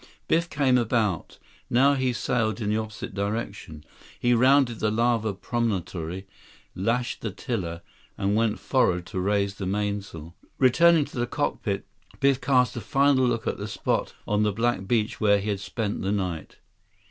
Biff came about. Now he sailed in the opposite direction. He rounded the lava promontory, lashed the tiller, and went forward to raise the mainsail. Returning to the cockpit, Biff cast a final look at the spot on the black beach where he had spent the night.